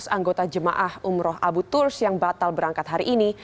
tujuh belas anggota jemaah umroh abu turs yang batal berangkat hari ini